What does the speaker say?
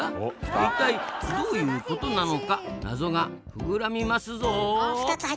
一体どういうことなのか謎がフグらみますぞ。